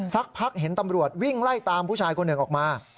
สักพักเห็นตำรวจวิ่งไล่ตามผู้ชายคนหนึ่งออกมา